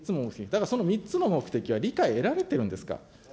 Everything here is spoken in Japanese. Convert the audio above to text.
だからその３つの目的は理解を得られてるんですか。